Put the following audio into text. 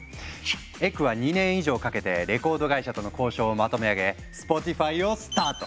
エクは２年以上かけてレコード会社との交渉をまとめ上げ「スポティファイ」をスタート！